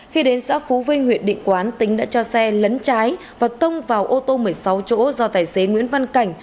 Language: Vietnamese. khi đến xã phú vinh huyện định quán tính đã cho xe lấn trái và tông vào ô tô một mươi sáu chỗ do tài xế nguyễn văn cảnh